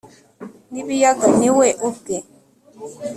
n'ibiyaga ni we ubwe